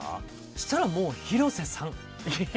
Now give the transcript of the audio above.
そしたら、もう、広瀬さん。